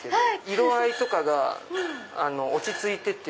色合いとかが落ち着いてて。